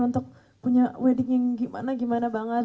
untuk punya wedding yang gimana gimana banget